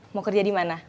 mau kerja di mana